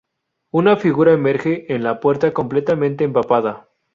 Una figura emerge en la puerta, completamente empapada.